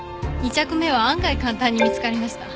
２着目は案外簡単に見つかりました。